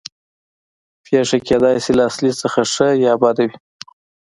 پېښه کېدای شي له اصلي څخه ښه یا بده وي